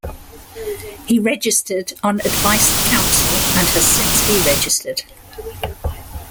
He registered on advice of counsel and has since deregistered.